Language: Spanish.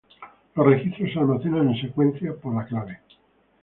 Los registros se almacenan en secuencia por la clave.